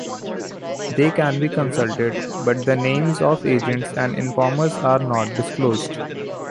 They can be consulted, but the names of agents and informers are not disclosed.